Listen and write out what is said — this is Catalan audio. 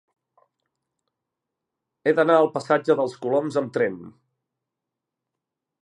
He d'anar al passatge dels Coloms amb tren.